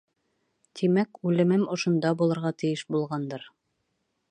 Тимәк, үлемем ошонда булырға тейеш булғандыр.